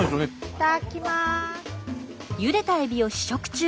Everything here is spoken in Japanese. いただきます。